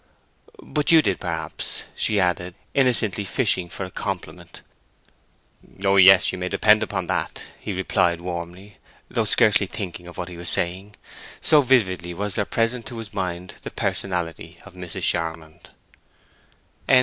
"But you did, perhaps," she added, innocently fishing for a compliment. "Oh yes—you may depend upon that!" replied he, warmly, though scarcely thinking of what he was saying, so vividly was there present to his mind the personality of Mrs. Charmond.